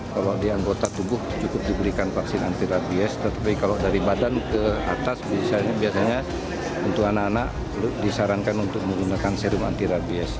kalau di anggota tubuh cukup diberikan vaksin anti rabies tetapi kalau dari badan ke atas biasanya untuk anak anak disarankan untuk menggunakan serum anti rabies